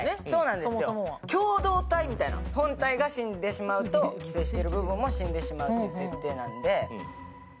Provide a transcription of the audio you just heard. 共同体みたいな、本体が死んでしまうと寄生している部分も死んでしまうという設定なので。